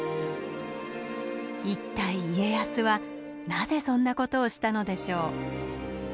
一体家康はなぜそんなことをしたのでしょう？